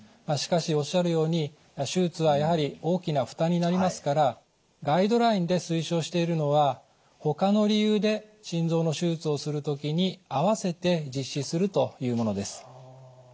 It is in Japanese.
しかしおっしゃるように手術はやはり大きな負担になりますからガイドラインで推奨しているのは他の理由で心臓の手術をする時に併せて実施するというものです。